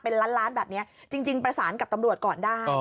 เป็นล้านล้านแบบนี้จริงประสานกับตำรวจก่อนได้